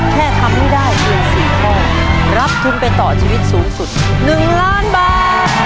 แค่ทำให้ได้เพียง๔ข้อรับทุนไปต่อชีวิตสูงสุด๑ล้านบาท